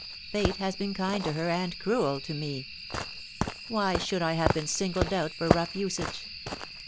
Fate has been kind to her and cruel to me. \Vhy should I have been singled out for rough usage?